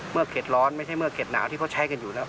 เมือกเขตร้อนไม่ใช่เมือกเขตหนาวที่เขาใช้กันอยู่นะครับ